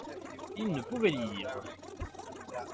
Il ne pouvait lire.